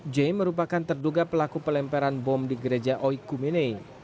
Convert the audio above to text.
jay merupakan terduga pelaku pelemperan bom di gereja oiku mene